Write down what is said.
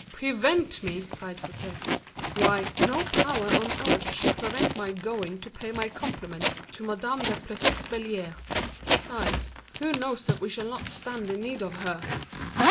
"Prevent me!" cried Fouquet; "why, no power on earth should prevent my going to pay my compliments to Madame de Plessis Belliere; besides, who knows that we shall not stand in need of her!"